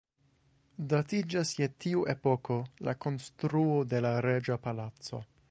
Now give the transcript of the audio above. Datiĝas je tiu epoko la konstruo de la “reĝa Palaco”.